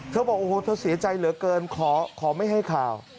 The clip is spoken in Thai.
บอกโอ้โหเธอเสียใจเหลือเกินขอไม่ให้ข่าว